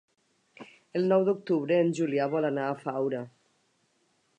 El nou d'octubre en Julià vol anar a Faura.